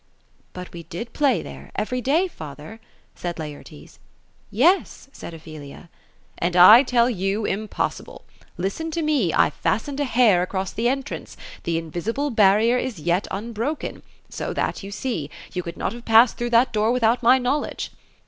^But we did play there, every day, father;" said Laertes. Yes ;" said Ophelia. " And I tell you, impossible ! Listen to me ; I fastened a hair across the entrance. The invisible barrier is yet unbroken. So that you see. you could not have passed through that door without my knowledge."